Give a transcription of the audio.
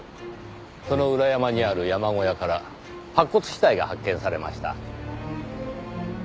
その裏山にある山小屋から白骨死体が発見されました。